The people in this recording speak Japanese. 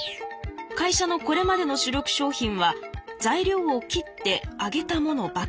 会社のこれまでの主力商品は材料を切って揚げたものばかり。